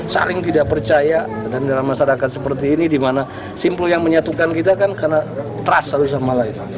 saling tidak percaya dan dalam masyarakat seperti ini dimana simpul yang menyatukan kita kan karena trust satu sama lain